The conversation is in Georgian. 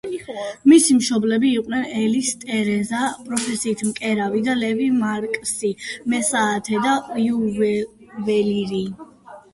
მისი მშობლები იყვნენ ელის ტერეზა, პროფესიით მკერავი და ლევი მარკსი, მესაათე და იუველირი.